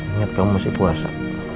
ingat kamu masih puasa